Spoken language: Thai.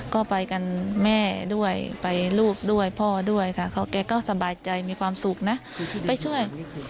ก็ไปกันแม่ด้วยไปลูกด้วยพ่อด้วยค่ะแกก็สบายใจมีความสุขนะไปช่วย